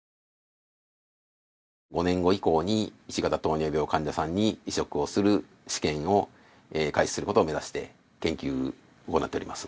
５年後以降に１型糖尿病患者さんに移植をする試験を開始することを目指して研究を行っております。